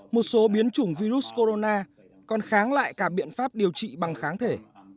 một số biến chủng virus corona còn kháng lại cả biện pháp điều trị bằng kháng thể